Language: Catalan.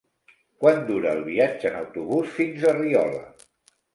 Quant dura el viatge en autobús fins a Riola?